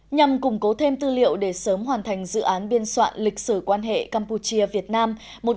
nhằm củng cố thêm tư liệu để sớm hoàn thành dự án biên soạn lịch sử quan hệ campuchia việt nam một nghìn chín trăm ba mươi hai nghìn một mươi